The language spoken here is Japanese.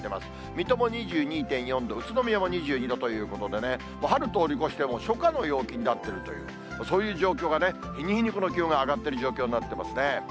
水戸も２２．４度、宇都宮も２２度ということで、春通り越して、もう初夏の陽気になってるという、そういう状況がね、日に日にこの気温が上がっている状況になっていますね。